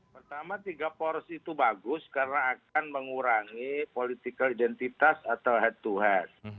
pertama tiga poros itu bagus karena akan mengurangi political identitas atau head to head